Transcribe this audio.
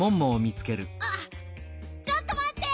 あっちょっとまって！